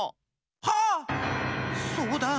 はっそうだ！